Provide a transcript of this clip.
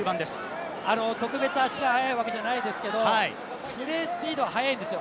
特別、足が速いわけじゃないんですがプレースピードは速いんですよ。